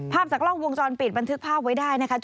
ภาพจากกล้องวงจรปิดบันทึกภาพไว้ได้นะคะ